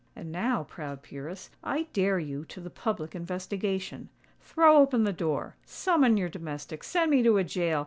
And now, proud peeress, I dare you to the public investigation! Throw open the door—summon your domestics—send me to a gaol!